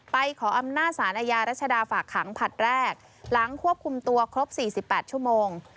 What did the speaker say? ไปขออำนาจศาลยารัชดาฝากขังผัดแรกหลังควบคุมตัวครบสี่สิบแปดชั่วโมง